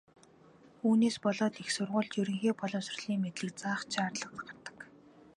Үүнээс болоод их сургуульд ерөнхий боловсролын мэдлэг заах ч шаардлага гардаг.